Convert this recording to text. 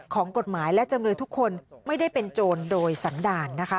ของกฎหมายและจำเลยทุกคนไม่ได้เป็นโจรโดยสันดาลนะคะ